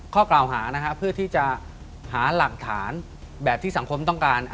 ข้อกล่าวหานะครับเพื่อที่จะหาหลักฐานแบบที่สังคมต้องการ